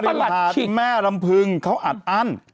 หรือวาหติแม่ลำพึงเขาอัดอั้น